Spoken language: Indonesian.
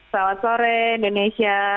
selamat sore indonesia